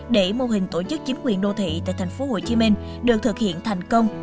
để mô hình tổ chức chính quyền đô thị tại tp hcm được thực hiện thành công